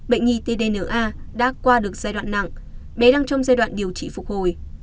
bệnh nhi tdna đã qua được giai đoạn nặng bé đang trong giai đoạn điều trị phục hồi